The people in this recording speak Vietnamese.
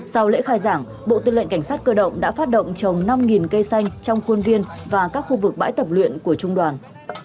sau lễ khai giảng bộ tư lệnh cảnh sát cơ động đã phát động trồng năm cây xanh trong khuôn viên và các khu vực bãi tập luyện của trung đoàn